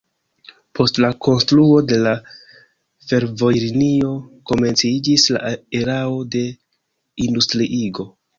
Post la konstruo de la fervojlinio komenciĝis la erao de industriigo.